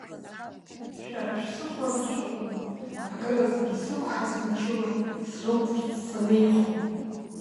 Шәара шәсыхәаран шәыҟоума акыраз исықәҳаз мчыла срылҵырц санеихо.